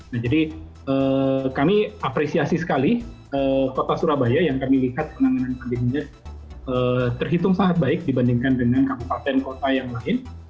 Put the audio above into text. nah jadi kami apresiasi sekali kota surabaya yang kami lihat penanganan pandeminya terhitung sangat baik dibandingkan dengan kabupaten kota yang lain